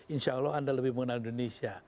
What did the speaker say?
insya allah anda lebih mengenal indonesia